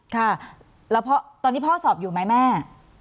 ค่ะแล้วตอนนี้พ่อสอบอยู่ไหมแม่